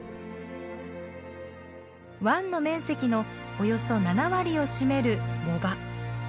湾の面積のおよそ７割を占める藻場。